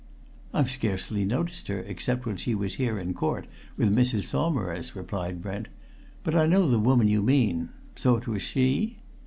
"I've scarcely noticed her except when she was here in court with Mrs. Saumarez," replied Brent. "But I know the woman you mean. So it was she?"